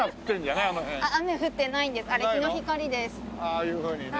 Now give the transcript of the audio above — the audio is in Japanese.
ああいうふうにね。